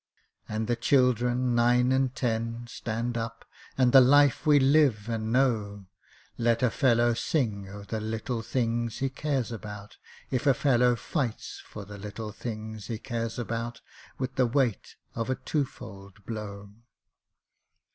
_And the children nine and ten (Stand up!), And the life we live and know, Let a fellow sing o' the little things he cares about, If a fellow fights for the little things he cares about With the weight of a two fold blow!